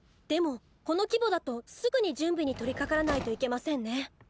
でもこの規模だとすぐに準備に取りかからないといけませんね。